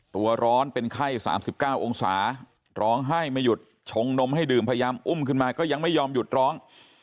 ร้อนเป็นไข้๓๙องศาร้องไห้ไม่หยุดชงนมให้ดื่มพยายามอุ้มขึ้นมาก็ยังไม่ยอมหยุดร้อง